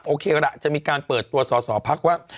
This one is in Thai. โอเคละจะมีการเปิดตัวสอสอพักว่า